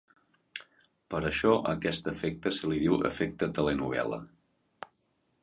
Per això a aquest efecte se li diu efecte telenovel·la.